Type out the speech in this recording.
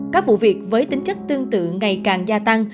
các vụ việc với tính chất tương tự ngày càng gia tăng